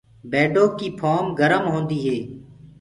بيڊو ڪيٚ ڦهوم گرم هوندي هي۔